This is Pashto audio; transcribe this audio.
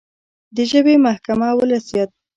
د ژبې محکمه ولس دی.